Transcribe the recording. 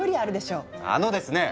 あのですね